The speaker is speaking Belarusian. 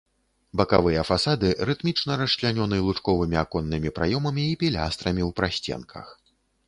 Бакавыя фасады рытмічна расчлянёны лучковымі аконнымі праёмамі і пілястрамі ў прасценках.